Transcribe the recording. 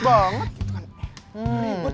ribet banget gitu kan